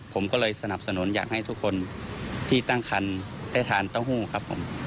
ผมก็เลยสนับสนุนอยากให้ทุกคนที่ตั้งคันได้ทานเต้าหู้ครับผม